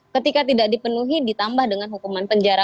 ketika tidak dipenuhi ditambah dengan hukuman penjara